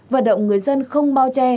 và động người dân không bao che